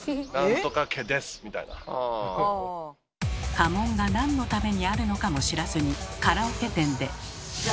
家紋がなんのためにあるのかも知らずにカラオケ店で。